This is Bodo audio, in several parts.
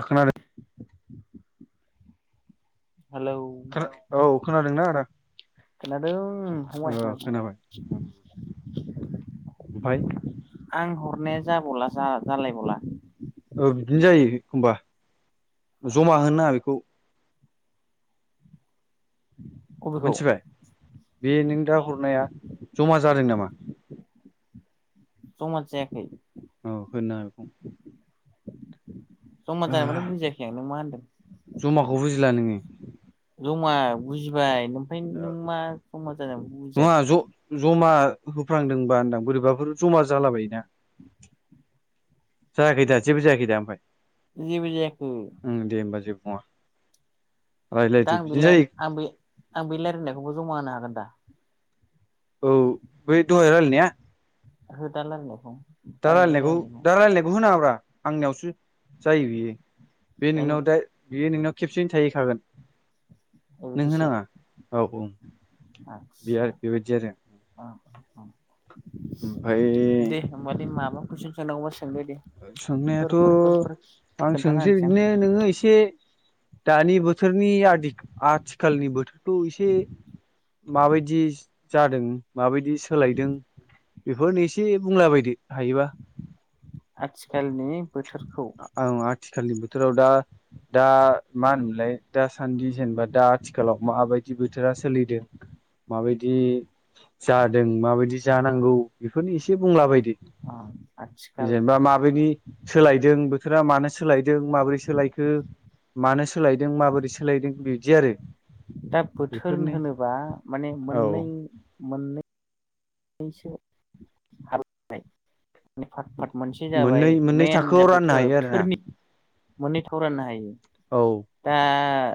आ खोनादो हेलौ खोना औ खोनादोंना आदा? खोनादों फंबाय ओ खोनादों। खोनाबाय ओमफाय रालाय बावला औ बिदिनो जायो एखमबा ज'मा होननाङा बेखौ अबेखौ मोनथिबाय? बे नों दा हरनाया ज'मा जादों नामा? ज'मा जायाखै। औ होननाङा बेखौ। ज'मा ओ जानाय माने बुजियाखै आं नों मा होन्दों? ज'माखौ बुजिला नोङो? ज'मा बुजिबाय नोमफ्राय नों मा ज'मा जानायखौ नङा बुजियासै ज'- ज'मा होफ्लांदोंबा होनदां बोरैबाफोर ज'मा जालाबायोना। जायाखैदा जेबो जायाखैदा ओमफाय? जेबो जायाखै। ओं [inaudible] दा आं बिदिनो बेलाय जायो आं बे- आं बे लायरायनायखौबो ज'मा होनो हागोन दा? औ बै द'हाय रायलायनाया? हो दा लारायनायखौ दा रायलायनायखौ दा रायलायनायखौ होनाङाब्रा आंनियावसो जायो बियो। बे नोंनाव दा बेयो नोंनाव खेबसेनो थाहैखागोन। ए नों बिदिसो होनाङा औ औ। बे आदसा आरो बेबायदि आरो औ औ। ओमफाय दे होमबा दे माबा कुइसन सोंनांगौबा सो सोंनायाथ' आं खोन्थाना सोंसै होनोसै आं बिदिनो नोङो एसे दानि बोथोरनि आदि आथिखालनि बोथोरखौ इसे माबायदि ज-जादों माबायदि सोलायदों बेफोरनो एसे बुंला बायदो हायोबा। आथिखालनि बोथोरखौ आं आथिखालनि बोथोराव दा दा मा होनोमोनलाय दासान्दि जेनेबा दा आथिखालाव माबायदि बोथोरा सोलिदों? माबायदि जादों माबायदि जानांगौ बेफोरनो एसे बुंला बायदो। आथिखाल जेनेबा माबायदि सोलाय दों बोथोरा मानो सोलायदों माबोरै सोलायखो मानो सोलायदों माबोरै सोलायदों बिदि आरो। दा बोथोर बेफोरनो होनोबा माने औ मोननै मोननै सो हालौनाय माने फाथ फाट मोनसे जाबाय मोननै मोननै मेइेन जा थाखोआव राननो बोथोर जाबाय हायो आरोना थोरनि मोननै [unintelligible] हायो औ दा,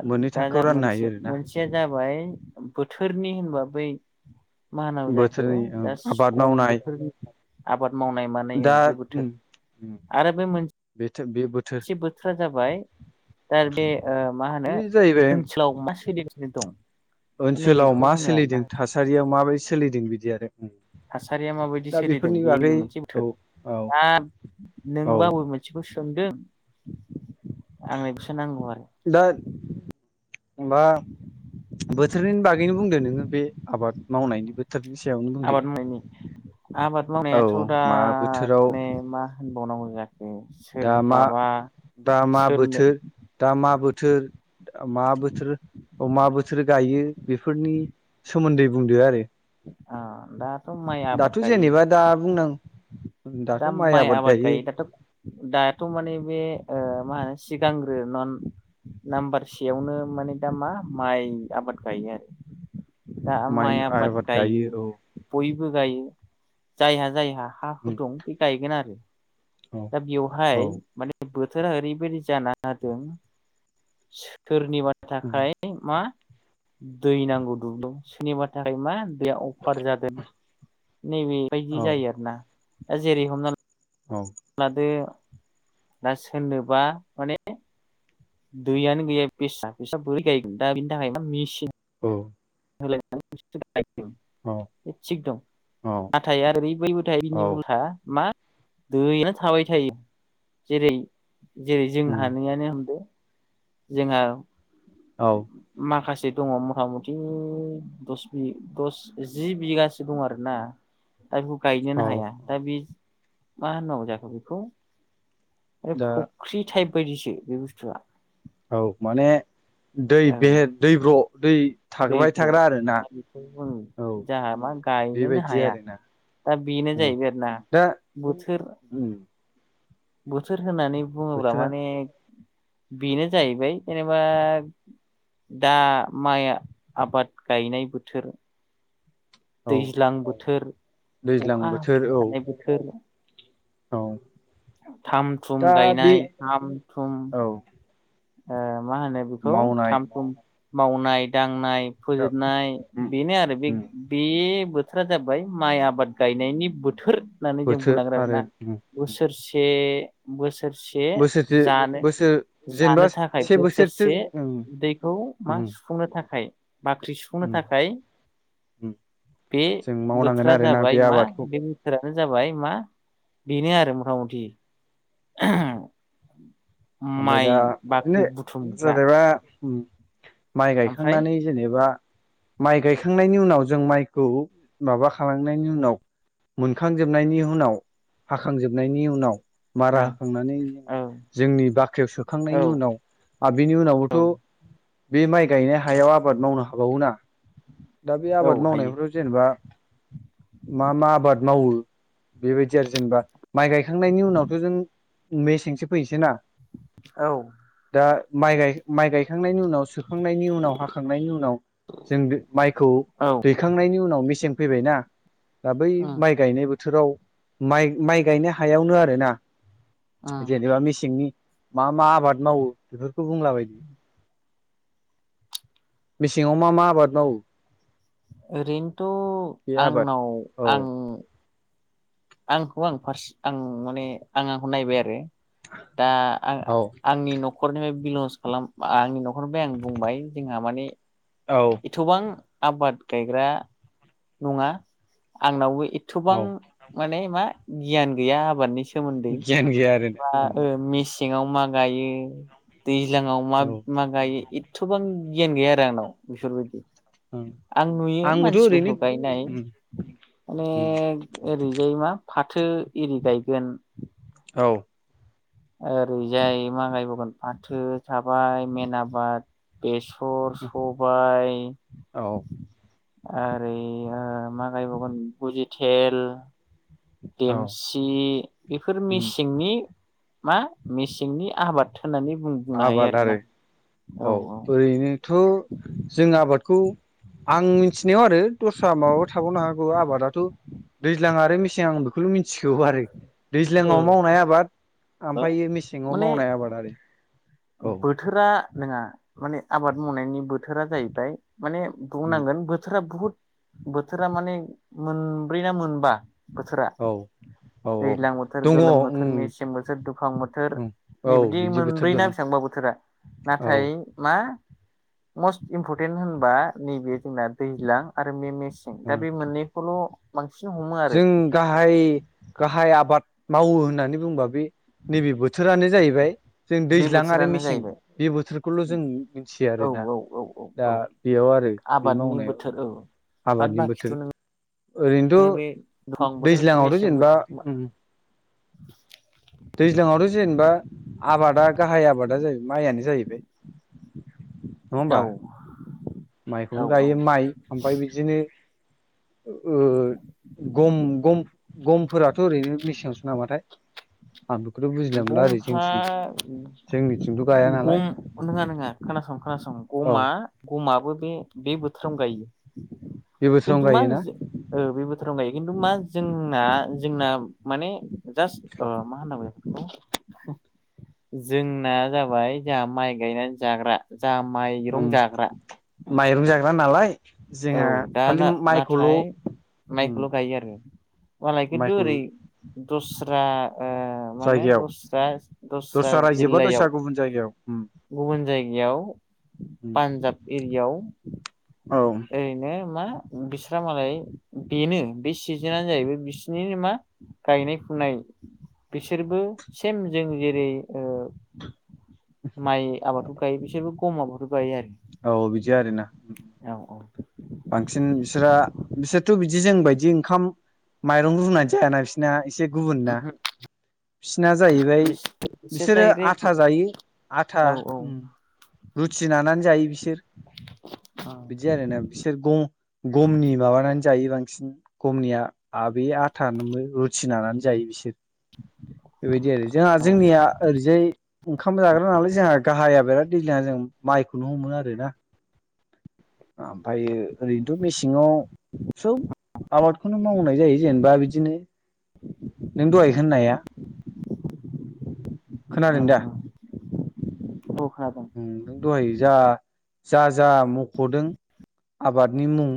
मोननै दा थाखोआव जा राननो हायो मोनसे आरोना मोनसेया जाबाय बोथोरनि होनबा बै मा हानांगौ जाखो बोथोरनि खो ओं दा आबाद सम मावनाय बोथोरनि आबाद मावनाय मानायो दा बे उम बोथोर उम आरो बै मोनसेनि बेथो बे बोथोर जाबाय दा बे मा होनो बे जाहैबाय ओनसोलाव मा सोलिगासिनो दं। ओनसोलाव नैबेखौ मा होनो आरोना सोलिदों थासारियाव माबायदि सोलिदों बिदि आरो थासारिया माबायदि दा सोलिदों बेफोरनि बे नैबे बागै मोनसे औ थद औ दा औ नोंबा अबे मोनसेखौ सोंदों आंनोबोसो नांगौ आरो दा बा बोथोरनिनि बागैनो बुंदो नोङो बे आबाद मावनायनि बोथोर। आबाद मावनायनि आबाद औ मावनायाथ' मा बोथोराव दाने मा होनबावनांगौ ज दा मा सोरहाबा दा मा बोथोर दा मा बोथोर मा बोथोर अ मा बोथोर गायो बेफोरनि सोमोन्दै बुंदो आरो आ दाथ' माइ आबाद दाथ' गायो। जेनेबा दा बुंनां दा माइ आबाद गायो दाथ' दा दाथ' माने बे मा होनो सिगांग्रो नन नाम्बार सेयावनो माने दा मा माइ आबाद गायो आरो। [unintelligible] दा माइ आबाद गायो औ। बयबो गायो जायहा जायहा हा हु दं बे गायगोन आरो। औ दा बेवहाय औ माने बो थोरा ओरैबायदि जाना होदों सोरनिबानि थाखाय मा दै नांगौ दुबु सोरनिबा थाखाय मा बे अफार जादों नैबेबायदि औ जायो आरोना दा जेरै हमना। औ लादो दा सोरनोबा माने दैयानो गैया फिसा फिसा बोरै गायगोन दा बिनि थाखाय मेसिन होलायनानै औ थिग दं नाथाय ओरै बैबोथाय बिनि उलहा मा दैआनो थाबाय थायो जेरै जेरै जोंहानियानो होनदो जोंहा औ माखासे दङ मथा मथि दस बि दस जि बिगासो दं आरोना। दा बेखौ गायनोनो औ हाया दा बे मा होननांगौ जाखो बेखौ दा फुख्रि टाइप बायदिसो बे बुस्थुआ औ माने दै औ बे दैब्र' दै थाबाय दैब्र' थाग्रा आरोना दा बेखौ जों औ जोहा मा गायनोनो बेबायदि हाया आरोना दा बेनो औ जाहैबाय आरोना दा बोथोर उम बोथोर होननानै बुङोब्ला बोथोरा माने बेनो जाहैबाय जेनेबा दा माइ आबाद गायनाय बोथोर औ दैज्लां बोथोर दैज्लां अखा बोथोर हाफ्लेबाय औ थानाय बोथोर। औ थाम-थुम दा बे गायनाय थाम-थुम औ ओ मा होनो बेखौ मावनाय थाम थुम मावनाय दांनाय फोजोबनाय उम बेनो आरो बे उम बे बोथोरा जाबाय माइ आबाद गायनायनि बोथोर। होननानै जों बोथोर बुंनांगोन आरो आरोना उम उम बोसोरसे बोसोर सोरसे बोसोरसे जानो बोसोर जेनेबा जानो थाखाय से बोसोरसो बोसोरसे उम उदैखौ मा उम सुफुंनो थाखाय। बाख्रि सुफुंनो उम थाखाय उम बे जों मावनांगोन बोथोरा आरोना जाबाय बे मा आबादखौ बे बोथोरा नो जाबाय मा बेनो आरो मथा मथि। ओमफ्राय माइ दा बाख्रि बिदिनो बुथुमग्रा जेनेबा माइ ओमफ्राय गायखांनानै जेनेबा माइ गायखांनायनि उनाव जों माइखौ माबा खालामनायनि उनाव मोनखांजोबनायनि उनाव हाखांजोबनायनि उनाव मारा होखांनानै ओ औ जोंनि बा ख्रियाव औ सोखांनायनि उनाव आरो बिनि उनावबोथ औ बे माइ गायनाय हायाव आबाद मावनो हाबावो ना। दा बे औ आबाद हायो मावनायफ्राव जेनेबा मा मा आबाद मावो बेबायदि आरो जेनेबा माइ गायखांनायनि उनावथ जों मेसेंसो फैनोसै ना औ दा माइ गायखांनायनि उनाव, सोखांनायनि उनाव, हाखांनायनि उनाव जों माइखौ औ उम दैखांनायनि उनाव मेसें फैबायना दा बै माइ गायनायबो बोथोराव माइ माइ गायनो हायावनो आर ना। उम जेनेबा मेसेंनि मा मा आबाद मावो बेफोरखौ बुंला बायदो? मेसेङाव मा मा आबाद मावो? बे ओरैनोथ आबाद आंनाव औ आं आंखौ आं फार्स आं माने आं आंखौ नायबाय आरो। दा आं औ आंनि नखरनिफ्राय बिलं खालाम आंनि नखरनिफ्राय आं बुंबाय जोंहा माने औ एथबां आबाद गायग्रा नङा आंनावबो एथबां औ माने मा गियान गैया आबादनि सोमोन्दै गियान गैया आरोना बा औ ओ मेसे ङाव मा गायो दैज्लाङाव मा औ मा गायो एथबां गियान गैया आरो आंनाव बेफोरबायदि ओं आं नुयो आंबोथ' मानसि ओरैनो खौ गायनाय उम माने उम ओरैजाय मा फाथो एरि गायगोन औ ओरैजाय मा गायबावगोन फाथो थाबाय मेन आबाद बेसर, सबायाइ औ आरो मा गायबावगोन भुजि थेल औ देमसि बेफोर उम मेसिंनि मा मेसेंनि आबाद होननानै बुं बुंनो हायो आबाद आरो आरोना औ औ जों आबादखौ आं मिथिनायाव आरो दस्रा माबा थाबावनो हागौ आबादाथ दैज्लां आरो मेसें आं बेखौल मिथिगौ आरो औ दैज्लङाव मावनाय आबाद औ ओमफ्राय मेसेङाव माने मावनाय आबाद आरो। औ बोथोरा नङा माने आबाद मावनायनि बोथोरा जाहैबाय माने उम बुंनांगोन बोथोरा बुहुद बोथोरा माने मोनब्रै ना मोनबा बोथोरा। औ औ औ दैज्लां बोथोर, दङ गोलोम बोथोर, उम मेसें बोथोर, दुफां बोथोर उम औ नैबिदि बिदि बोथोर मोनब्रै ना दं बेसां बा बोथोरा औ नाथाय ओ मा [unintelligible] मस्ट इमफरटेन्ट होनबा नैबे जोंना दैज्लां आरो मे-मेसें दा बे मोननैखौल' बांसिन हमो आरो जों गाहाय गाहाय आबाद मावो होननानै बुंबा बे नैबे बोथोरानो जाहैबाय जों बे दैज्लां आरो बोथोरानो मेसें जाहैबाय बे बोथोरखौल' जों मिथियो औ आरो ना औ औ औ दा औ बेयाव आरो आरो बे आबादनि मावनायाव बोथोर औ बाद आबादनि बाखिथ' बोथोर, नों ओमफ्राय बे ओरैनोथ' दुफां बोथोर दैज्लां आवथ' मेसें जेनेबा बोथोर उम, [inaudible] दैज्लांआवथ' जेनेबा आबादा गाहाय आबादा जाहैबाय माइआनो जाहैबाय, नंङा औ होमबा औ माइखौनो औ गायो माइ ओमफ्राय बिदिनो, औ ओ गम गम गमफोराथ' ओरैनो मेसेङावसो नामाथाय, आं बेखौथ' बुजिना मोनला ओरै गमफा जोंनिथिं जोंनिथिंथ' गाया नालाय गम नोंङा नोंङा खोनासं खोनासं औ गमा गमा, बो बे बे बोथोरावनो गायो, बे बोथोराव खिन्थु मा गायोना? ओ बे बोथोराव गायगोन खिनथु मा जोंना जोंना माने जास अ [unintelligible] जोंना जाबाय जोंहा माइ गायनानै जाग्रा, जा माइरं उम जाग्रा, माइरं जाग्रा नालाय औ जोंहा दा खालि माइखौल' ना-नाथाय उम, माइखौल' गायो आरो मालाय खिन्थु माइखौल' ओरै दस्रा, ओ माने जायगायाव दस्रा दस्रा रायजो बा दस्रा जिल्लायाव, गुबुन जायगायाव उम गुबुन जायगायाव उम पान्जाब एरियाव, औ ओरैनो मा? बिस्रा मालाय बेनो बे सिजोनानो जाहैबाय बिसिनि मा? गायनाय फुनाय, बिसोरबो सेम जों जेरै ओ, माइ आबादखौ गायो बिसोरबो गम आबादखौ गायो आरो औ बिदि आरोना? औ औ बांसिन बिसोरा बिसोरथ' बिदि जों बायदि ओंखाम, माइरं रुनानै जायाना बिसोरना एसे, ओमहो बिसोरना जाहैबाय बिसोरो डाइरेक्ट आथा जायो आथा औ औ उम रुथि लानानै जायो बिसोर औ बिदि आरोना? बिसोर ग'गमनि माबानानै जा जायो बांसिन ग'मनिया आबे आथा जोंनो रुथिनानानै जायो बिसोर, बेबायदि आरो जोंहा औ जोंनिया ओरैजाय ओंखाम जाग्रा नालाय जोंहा गाहाय बिराद दैज्लांआव जों माइखौनो हमो आरोना? ओमफ्रायो ओरैनोथ' मेसेंङाव, सब आबादखौनो मावनाय जायो जेनेबा बिदिनो, नों दहाय होननाया, खोनादों दा? औ खोनादों ओं नों दहाय जा जा जा मख'दों, आबादनि मुं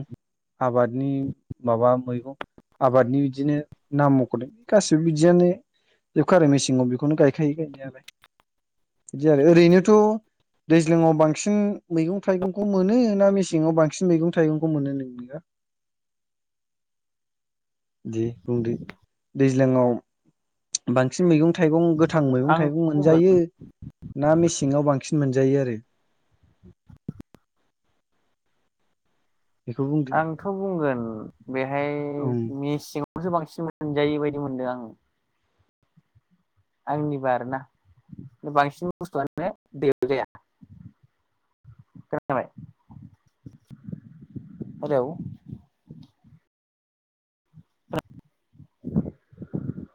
आबादनि माबा मैगं, आबादनि बिदिनो नाम मख'दों गासिबो बिदियानो, जोबखा आरो मेसेंआव बेखौनो गायखायो गायनायालाय बिदि आरो ओरैनोथ' दैज्लांआव बांसिन मैगं-थाइगंखौ मोनो ना मेसें आव बांसिन मैगं थाइगंखौ मोननो नोंनिबा, [inaudible] दे बुंदो दैज्लांआव बांसिन मेगं थाइगं गोथां मैगं आं थाइगं बुंगोन मोनजायो ना मेसेंआव बांसिन मोनजायो आरो बेखौ बुंदो आंथ' बुंगोन बेहाय ओं मेसेङावनोसो बांसिन, मोनजायि बायदि मोनदों आं। आंनिबा आरोना बांसिन बुस्थुआनो दैयाव जाया। खोनाबाय हेलौ [inaudible]